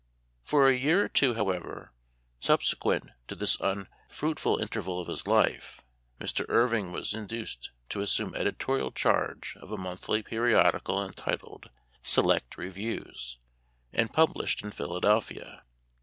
For a year or two, however, subsequent to this unfruitful interval of his life, Mr. Irving was induced to assume editorial charge of a monthly periodical entitled " Select Reviews," and pub lished in Philadelphia.